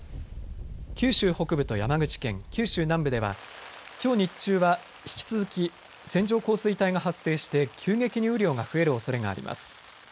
九州北部と山口県、九州南部ではきょう日中は引き続き線状降水帯が発生して急激に雨量が増えるおそれがあります。